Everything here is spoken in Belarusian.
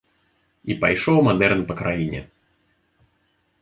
І пайшоў мадэрн па краіне.